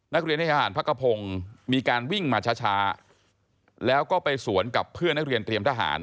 นักเรียนให้ทหารพักกระพงศ์มีการวิ่งมาช้าแล้วก็ไปสวนกับเพื่อนนักเรียนเตรียมทหาร